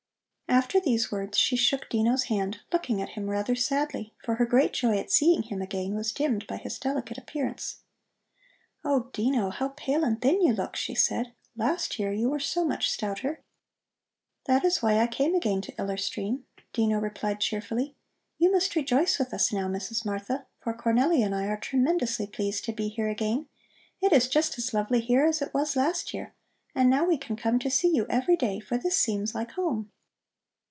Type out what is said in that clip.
After these words she shook Dino's hand, looking at him rather sadly, for her great joy at seeing him again was dimmed by his delicate appearance. "Oh, Dino, how pale and thin you look," she said. "Last year you were so much stouter." "That is why I came again to Iller Stream," Dino replied cheerfully. "You must rejoice with us now, Mrs. Martha, for Cornelli and I are tremendously pleased to be here again. It is just as lovely here as it was last year, and now we can come to see you every day, for this seems like home."